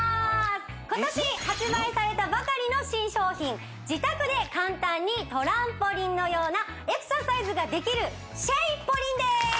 今年発売されたばかりの新商品自宅で簡単にトランポリンのようなエクササイズができるシェイポリンでーす！